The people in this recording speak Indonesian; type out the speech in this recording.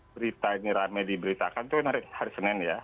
berita ini rame diberitakan itu menarik hari senin ya